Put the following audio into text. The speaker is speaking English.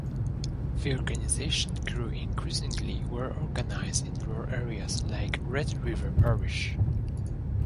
The organization grew increasingly well-organized in rural areas like Red River Parish.